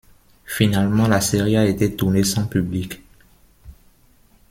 Finalement la série a été tournée sans public.